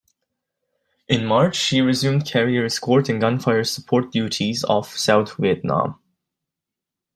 In March she resumed carrier escort and gunfire support duties off South Vietnam.